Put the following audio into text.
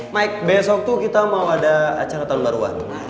mike besok tuh kita mau ada acara tahun baruan